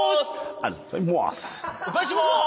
お返ししまーす。